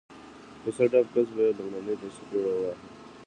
کوڅه ډب کس به یې لومړی په څپېړو واهه